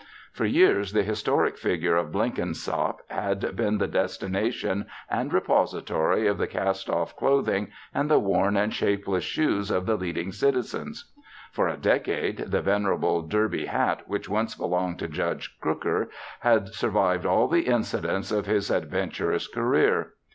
For years the historic figure of Blenkinsop had been the destination and repository of the cast off clothing and the worn and shapeless shoes of the leading citizens. For a decade, the venerable derby hat, which once belonged to Judge Crooker, had survived all the incidents of his adventurous career.